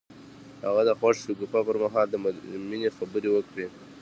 هغه د خوښ شګوفه پر مهال د مینې خبرې وکړې.